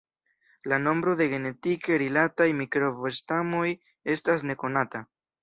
La nombro de genetike rilataj mikrobo-stamoj estas nekonata.